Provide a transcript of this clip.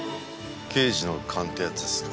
刑事の勘ってやつですか？